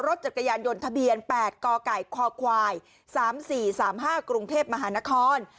รถจัดกายานยนต์ทะเบียน๘กกค๓๔๓๕กรุงเทพฯมหานคร